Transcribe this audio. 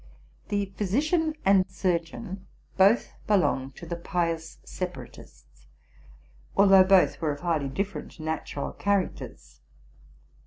The physician and surgeon both belonged to the Pious Separatists, although both were of highly different natural characters.